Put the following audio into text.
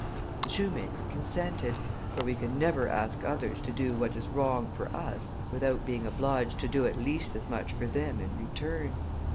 The shoemaker consented; for we can never ask others to do what is wrong for us without being obliged to do at least as much for them in return.